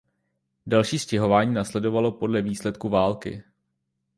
Další stěhování následovalo podle výsledků války.